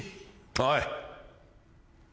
おい。